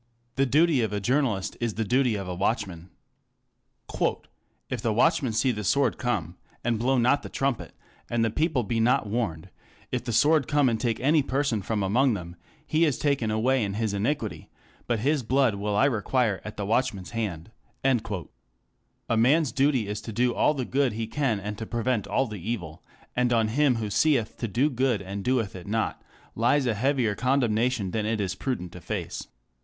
The duty of a journalist is the duty of a watchman. "If the ^7 watchman see the sword come, and blow not the trumpet, and the people be not warned, if the sword come and take any person from among them, he is taken away in his iniquity ; but his blood will I Digitized by Google 668 THE CONTEMPORARY REVIEW. require at the watchman's hand/' A man's duty is to do all the good he can and to prevent all the evil, and on him who seeth to do good and doeth it not, lies a heavier condemnation than it is prudent to face.